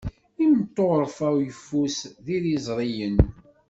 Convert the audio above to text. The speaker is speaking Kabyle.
Imeṭṭurfa uyeffus d iriẓriyen.